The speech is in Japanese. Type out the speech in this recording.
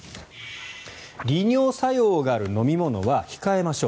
利尿作用がある飲み物は控えましょう。